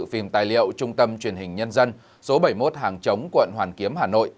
phim tài liệu trung tâm truyền hình nhân dân số bảy mươi một hàng chống quận hoàn kiếm hà nội